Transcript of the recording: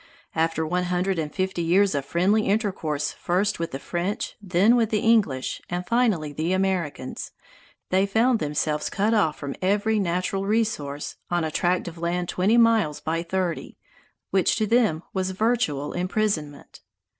After one hundred and fifty years of friendly intercourse first with the French, then the English, and finally the Americans, they found themselves cut off from every natural resource, on a tract of land twenty miles by thirty, which to them was virtual imprisonment.